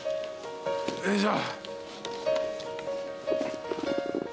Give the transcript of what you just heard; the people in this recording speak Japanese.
よいしょ。